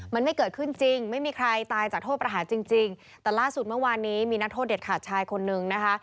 มันไม่เกิดขึ้นจริงไม่มีใครตายจากโทษประหารจริงจริงแต่ล่าสุดเมื่อวานนี้มีนักโทษเด็ดขาดชายคนนึงนะคะ